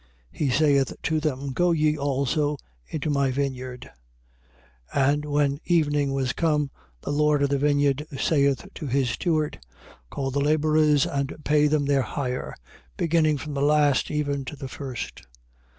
He saith to them: Go ye also into my vineyard. 20:8. And when evening was come, the lord of the vineyard saith to his steward: Call the labourers and pay them their hire, beginning from the last even to the first.